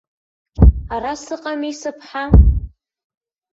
Ара сыҟами, сыԥҳа!